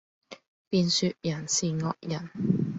便說人是惡人。